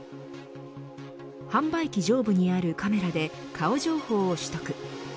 販売機上部にあるカメラで顔情報を取得。